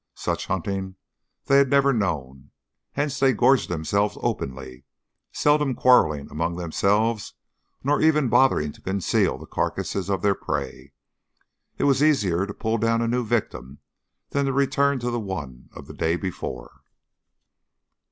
Such hunting they had never known, hence they gorged themselves openly, seldom quarreling among themselves nor even bothering to conceal the carcasses of their prey. It was easier to pull down a new victim than to return to the one of the day before.